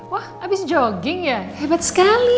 wah abis jogging ya hebat sekali